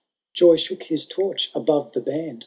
Joy shook his torch above the band.